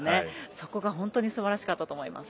そこが本当にすばらしかったと思います。